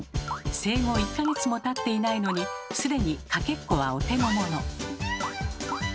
生後１か月もたっていないのに既にかけっこはお手のもの。